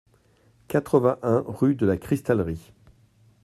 quatre-vingt-un rue de la Cristallerie